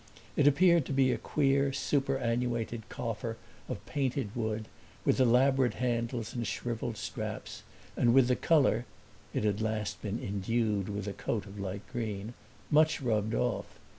It appeared to be a queer, superannuated coffer, of painted wood, with elaborate handles and shriveled straps and with the color (it had last been endued with a coat of light green) much rubbed off.